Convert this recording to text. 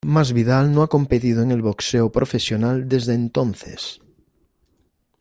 Masvidal no ha competido en el boxeo profesional desde entonces.